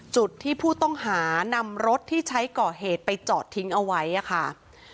จุดที่ผู้ต้องหานำรถที่ใช้ก่อเหตุไปจอดทิ้งเอาไว้ค่ะ